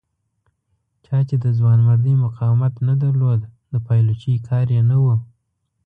چا چې د ځوانمردۍ مقاومت نه درلود د پایلوچۍ کار یې نه و.